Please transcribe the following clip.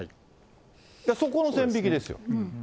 そこの線引きですよ。